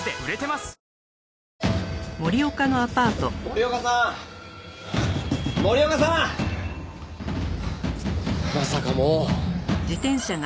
まさかもう。